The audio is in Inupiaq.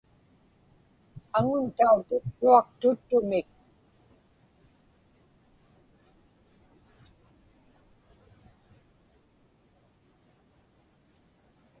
Aŋun tautuktuaq tuttumik.